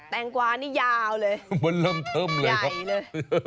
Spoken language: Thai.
แงกวานี่ยาวเลยมันเริ่มเทิมเลยครับ